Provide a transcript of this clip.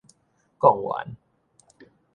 摃丸